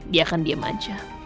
dia akan diem aja